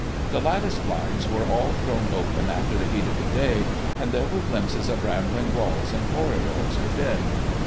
The lattice blinds were all thrown open after the heat of the day, and there were glimpses of rambling walls and corridors within.